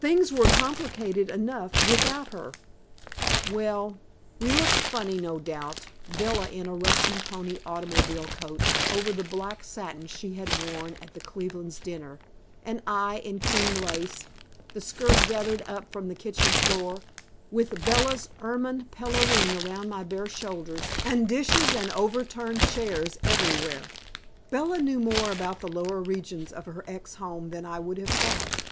Things were complicated enough without her. Well, we looked funny, no doubt, Bella in a Russian pony automobile coat over the black satin she had worn at the Clevelands' dinner, and I in cream lace, the skirt gathered up from the kitchen floor, with Bella's ermine pelerine around my bare shoulders, and dishes and overturned chairs everywhere. Bella knew more about the lower regions of her ex home than I would have thought.